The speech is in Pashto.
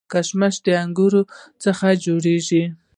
کشمش د انګورو څخه جوړیږي